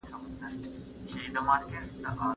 د کار ځواک مهارتونه د بازار اړتیاوې بدلوي.